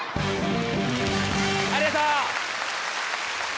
ありがとう！